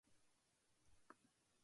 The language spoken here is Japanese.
여러분안녕하세요